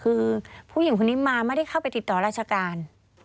คือผู้หญิงคนนี้มาไม่ได้เข้าไปติดต่อราชการ